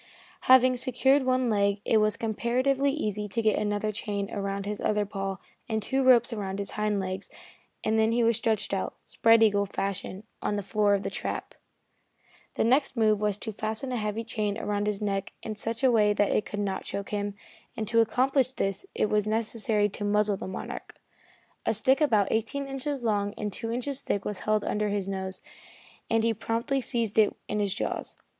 Having secured one leg, it was comparatively easy to get another chain around his other paw and two ropes around his hind legs, and then he was stretched out, spread eagle fashion, on the floor of the trap. [Illustration: Large Black Bear. Page 250.] The next move was to fasten a heavy chain around his neck in such a way that it could not choke him, and to accomplish this it was necessary to muzzle the Monarch. A stick about eighteen inches long and two inches thick was held under his nose, and he promptly seized it in his jaws.